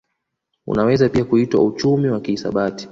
Unaweza pia kuitwa uchumi wa kihisabati